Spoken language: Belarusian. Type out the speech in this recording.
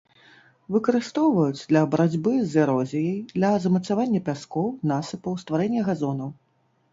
Выкарыстоўваюць для барацьбы з эрозіяй, для замацавання пяскоў, насыпаў, стварэння газонаў.